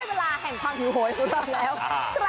เวลาแห่งความหิวโหยของเราแล้ว